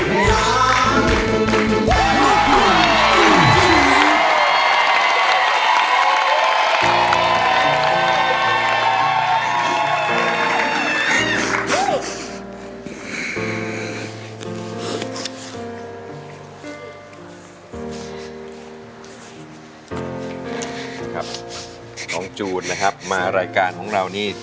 สวัสดีครับน้องจูนนะครับมารายการของเรานี่